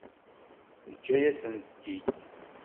Teǧǧa-yasen-tent-id.